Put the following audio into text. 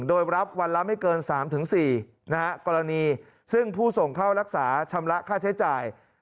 โดยรับวันละไม่เกิน๓๔นะฮะกรณีซึ่งผู้ส่งเข้ารักษาชำระค่าใช้จ่าย